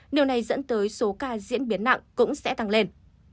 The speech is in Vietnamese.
điều này dẫn tới số ca diễn biến nặng cũng sẽ tăng lên